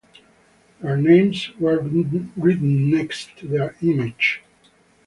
Their names were written next to their images.